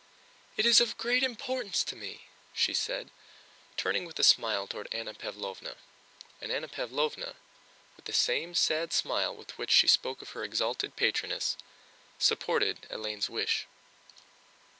"It is of great importance to me," she said, turning with a smile toward Anna Pávlovna, and Anna Pávlovna, with the same sad smile with which she spoke of her exalted patroness, supported Hélène's wish.